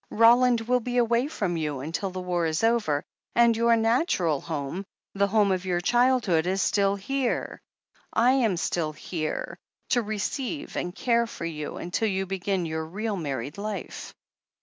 Roland will be away from you until the war is over, and your natural home — ^the home of your childhood — is still here ; I am still here — ^to receive and care for you imtil you can begin your real married life.